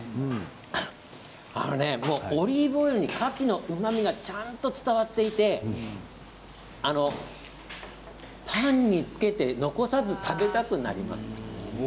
オリーブオイルにカキのうまみがちゃんと伝わっていてパンにつけて残さず食べたくなります。